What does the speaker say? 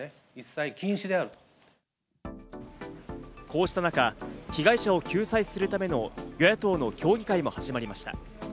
こうした中、被害者を救済するための与野党の協議会も始まりました。